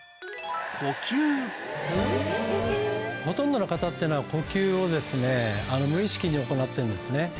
ほとんどの方っていうのは呼吸を無意識に行ってるんですね。